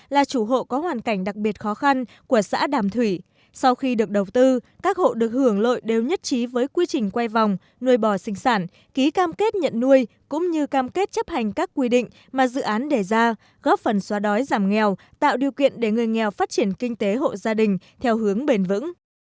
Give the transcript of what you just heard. là chủ hộ có hoàn cảnh đặc biệt khó khăn của xã đàm thủy sau khi được đầu tư các hộ được hưởng lợi đều nhất trí với quy trình quay vòng nuôi bò sinh sản ký cam kết nhận nuôi cũng như cam kết chấp hành các quy định mà dự án đề ra góp phần xóa đói giảm nghèo tạo điều kiện để người nghèo phát triển kinh tế hộ gia đình theo hướng bền vững